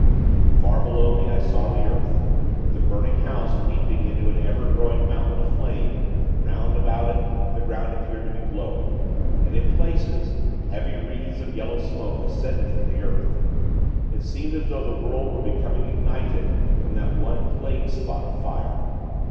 Far below me, I saw the earth, with the burning house leaping into an ever growing mountain of flame, 'round about it, the ground appeared to be glowing; and, in places, heavy wreaths of yellow smoke ascended from the earth. It seemed as though the world were becoming ignited from that one plague spot of fire.